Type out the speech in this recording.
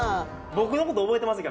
僕のこと覚えてます？